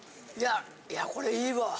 いやこれいいわ。